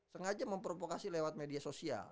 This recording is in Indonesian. sengaja memprovokasi lewat media sosial